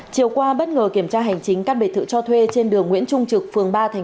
chiều qua bất ngờ kiểm tra hành chính các biệt thự cho thuê trên đường nguyễn trung